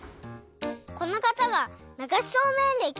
このかたがながしそうめんれき